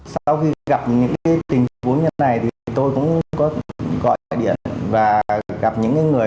sau khi gặp những tình huống như này thì tôi cũng có gọi điện và gặp những người